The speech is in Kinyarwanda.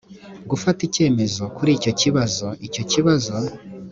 gufata icyemezo kuri icyo kibazo icyo kibazo